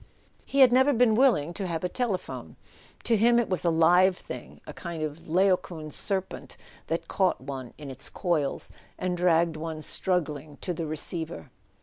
He had never been willing to have a telephone. To him it was a live thing, a kind of Laocoon serpent that caught one in its coils and dragged one struggling to the receiver.